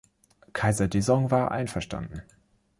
Kaiser Dezong war einverstanden.